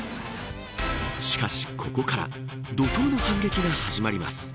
しかしここから怒とうの反撃が始まります。